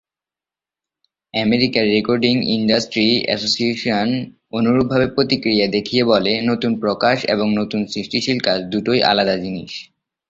আমেরিকার recording industry association অনুরূপভাবে প্রতিক্রিয়া দেখিয়ে বলে, নতুন প্রকাশ এবং নতুন সৃষ্টিশীল কাজ দুটোই আলাদা জিনিস।